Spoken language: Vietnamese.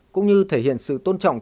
cũng như thể hiện sự tôn trọng